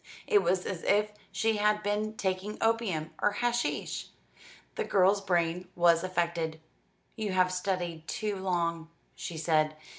It was as if she had been taking opium or hashish. The girl's brain was affected. "You have studied too long," she said.